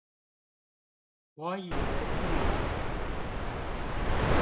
我以為是模型